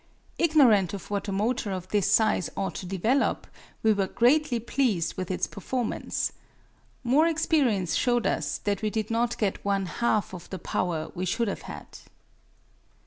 Ignorant of what a motor of this size ought to develop, we were greatly pleased with its performance. More experience showed us that we did not get one half of the power we should have had.